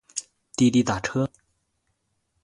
滴滴打车